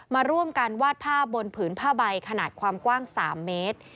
มาร่วมกันวาดภาพบนผืนผ้าใบขนาดความกว้าง๓เมตร